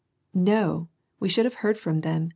*» No ! We should have heard from them.